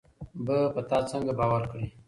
به په تا څنګه باور کړي